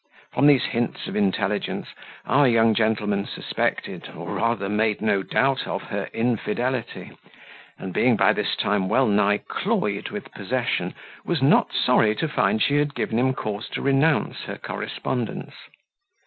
From these hints of intelligence our young gentleman suspected, or rather made no doubt of, her infidelity; and being by this time well nigh cloyed with possession, was not sorry to find she had given him cause to renounce her correspondence.